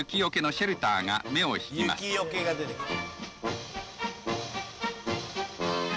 雪よけが出てきた。